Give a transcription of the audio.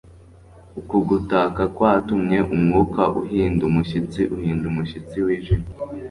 Uku gutaka kwatumye umwuka uhinda umushyitsi uhinda umushyitsi wijimye